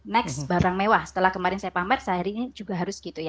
next barang mewah setelah kemarin saya pamer sehari ini juga harus gitu ya